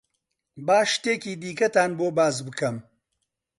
با شتێکی دیکەتان بۆ باس بکەم.